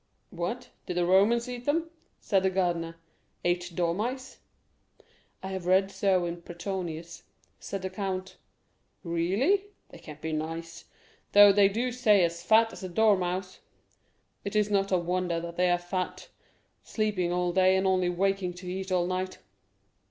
"What? Did the Romans eat them?" said the gardener—"ate dormice?" "I have read so in Petronius," said the count. "Really? They can't be nice, though they do say 'as fat as a dormouse.' It is not a wonder they are fat, sleeping all day, and only waking to eat all night.